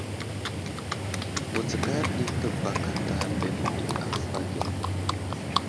Wutskar ɗi təbakata mbele ɗi avohw age.